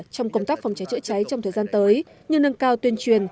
trong công tác phòng cháy chữa cháy trong thời gian tới như nâng cao tuyên truyền